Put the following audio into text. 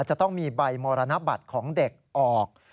จะต้องมีใบมรณบัตรของเด็กออก